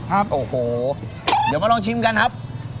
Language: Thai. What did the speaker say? ครับโอ้โหเดี๋ยวมาลองชิมกันครับ